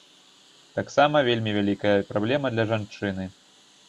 Таксама вельмі вялікая праблема для жанчыны.